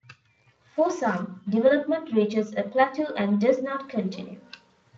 For some, development reaches a plateau and does not continue.